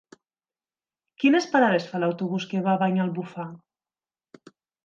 Quines parades fa l'autobús que va a Banyalbufar?